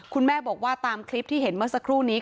คุณแม่บอกว่าตามคลิปที่เห็นเมื่อสักครู่นี้